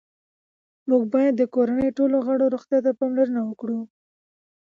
موږ باید د کورنۍ ټولو غړو روغتیا ته پاملرنه وکړو